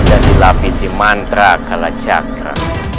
dan dilapisi mantra kalacakra